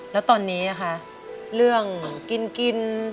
แล้วตอนนี้นะคะเรื่องกิน